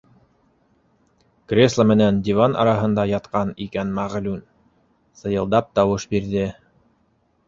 Кресло менән диван араһында ятҡан икән мәлғүн, сыйылдап тауыш бирҙе.